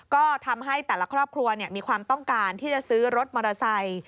ก็ทำให้แต่ละครอบครัวมีความต้องการที่จะซื้อรถมอเตอร์ไซค์